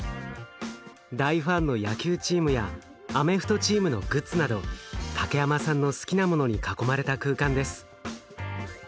大ファンの野球チームやアメフトチームのグッズなど竹山さんの好きなものに囲まれた空間です。